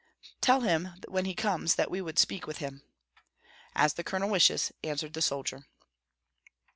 "Tell him when he comes that we would speak with him." "As the Colonel wishes," answered the soldier.